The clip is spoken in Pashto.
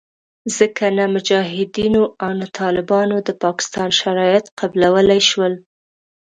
ځکه نه مجاهدینو او نه طالبانو د پاکستان شرایط قبلولې شول